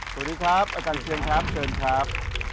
สวัสดีครับอาจารย์เชียงครับเชิญครับ